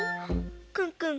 クンクン。